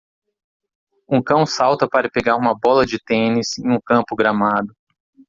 Um cão salta para pegar uma bola de tênis em um campo gramado.